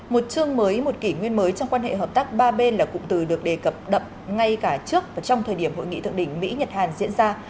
một chương mới một kỷ nguyên mới trong quan hệ hợp tác ba bên là cụm từ được đề cập đậm ngay cả trước và trong thời điểm hội nghị thượng đỉnh mỹ nhật hàn diễn ra